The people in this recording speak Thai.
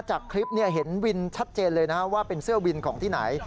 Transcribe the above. จากคลิปเห็นวินชัดเจนเลยนะฮะว่าเป็นเสื้อวินของที่ไหน